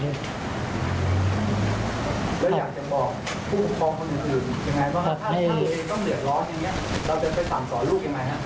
เราจะไปสั่งสอนลูกยังไงครับ